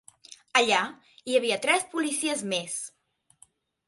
Allà hi havia tres policies més.